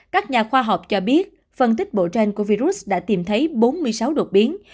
các nhà khoa học cho biết phân tích bộ tranh của virus đã tìm thấy bốn mươi sáu đột biến